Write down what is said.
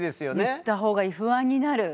言った方がいい不安になる。